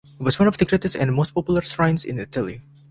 It was one of the greatest and most popular shrines in Italy.